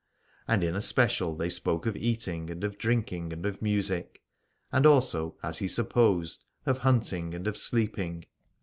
And in especial they spoke of eat ing and of drinking and of music : and also, as he supposed, of hunting and of sleeping.